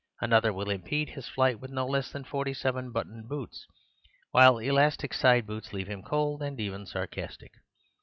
Another will impede his flight with no less than forty seven buttoned boots, while elastic sided boots leave him cold, and even sarcastic.